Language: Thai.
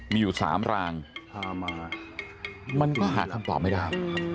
มีอยู่๓รางพามามันก็หาคำตอบไม่ได้